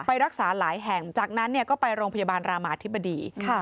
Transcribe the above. ไปรักษาหลายแห่งจากนั้นก็ไปโรงพยาบาลรามาธิบดี